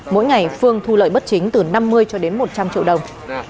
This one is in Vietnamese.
mỗi ngày phương thu lợi bất chính từ năm mươi một trăm linh triệu đồng